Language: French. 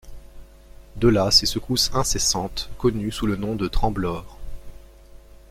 De là ces secousses incessantes, connues sous le nom de « tremblores.